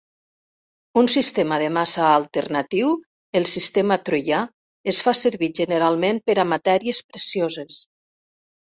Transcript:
Un sistema de massa alternatiu, el sistema troià, es fa servir generalment per a matèries precioses.